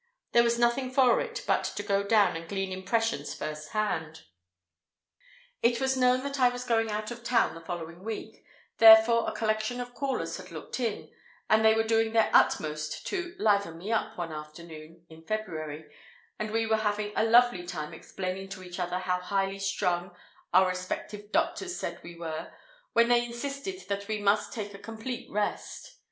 There was nothing for it but to go down and glean impressions first hand. It was known that I was going out of town the following week, therefore a collection of callers had looked in, and they were doing their utmost to "liven me up" one afternoon in February, and we were having a lovely time explaining to each other how highly strung our respective doctors said we were when they insisted that we must take a complete rest.